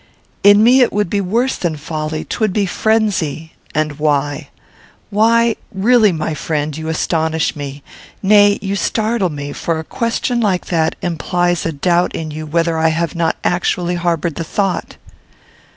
"In me it would be worse than folly. 'Twould be frenzy." "And why?" "Why? Really, my friend, you astonish me. Nay, you startle me for a question like that implies a doubt in you whether I have not actually harboured the thought."